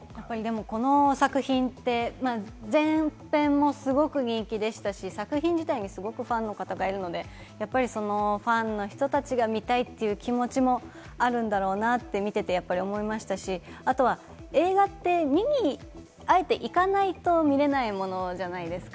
この作品って前編もすごく人気でしたし、作品自体にファンの方がいるので、ファンの人たちが見たいという気持ちもあるんだろうなって、見てて思いましたし、あとは映画って見に、あえて行かないと見れないものじゃないですか。